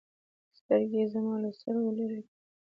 سترګې يې زما له سترګو لرې كړې.